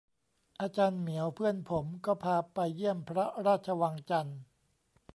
อาจารย์เหมียวเพื่อนผม ก็พาไปเยี่ยมพระราชวังจันทน์